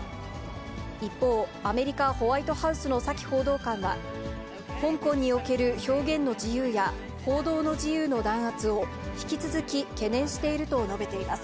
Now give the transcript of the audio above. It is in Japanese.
一方、アメリカ・ホワイトハウスのサキ報道官は、香港における表現の自由や、報道の自由の弾圧を引き続き懸念していると述べています。